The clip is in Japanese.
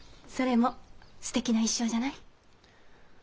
それもすてきな一生じゃない？